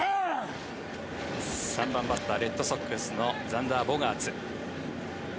３番バッター、レッドソックスのザンダー・ボガーツ。